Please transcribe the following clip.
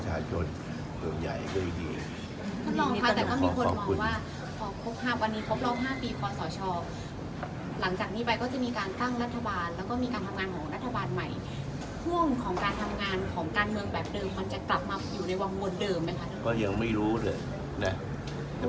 จะกลับมาอยู่ในวังวงเดิมไหมคะ